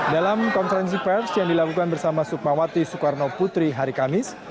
dalam konferensi pers yang dilakukan bersama sukmawati soekarno putri hari kamis